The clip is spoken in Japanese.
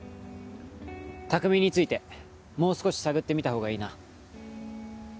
拓実についてもう少し探ってみたほうがいいな。